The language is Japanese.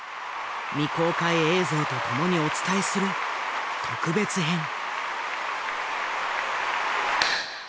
未公開映像とともにお伝えする特別編！